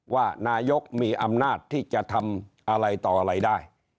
ว่านายกมีอำนาจที่จะทำอะไรต่ออะไรได้